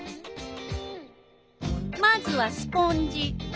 まずはスポンジ。